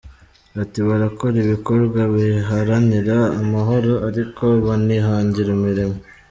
Ati"Barakora ibikorwa biharanira amahoro ariko banihangira imirimo.